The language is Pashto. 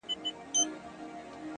ستا د څوڼو ځنگلونه زمـا بــدن خـوري;